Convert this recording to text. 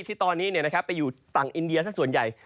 ที่ตอนนี้ไปอยู่ฝั่งอินเดียสักส่วนใหญ่